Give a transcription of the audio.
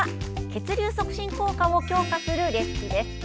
血流促進効果を強化するレシピです。